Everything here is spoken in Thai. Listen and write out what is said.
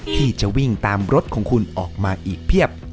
ที่จะวิ่งตามรถของคุณออกมาอีกเพียบ